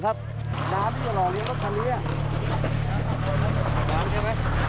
น้ำที่บริหรอกเนี่ยทางแบบนี้